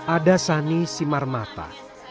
ada sani simarmata